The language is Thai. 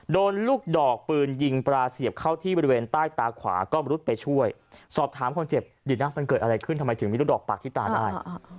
โดนลูกดอกปืนยิงปลาเสียบเข้าที่บริเวณใต้ตาขวาก็มรุดไปช่วยสอบถามคนเจ็บดินะมันเกิดอะไรขึ้นทำไมถึงมีลูกดอกปากที่ตาได้